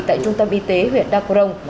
tại trung tâm y tế huyện đắk cổ rông